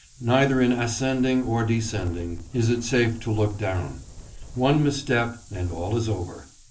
Neither in ascending nor descending is it safe to look down. One misstep and all is over.